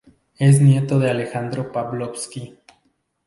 Es nieto de Alejandro Pavlovsky.